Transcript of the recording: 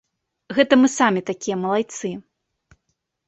Гэта мы самі такія малайцы.